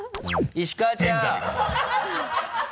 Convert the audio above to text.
石川ちゃん。